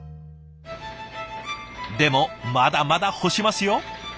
でもまだまだ干しますよ。